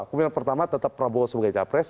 kemungkinan pertama tetap prabowo sebagai capres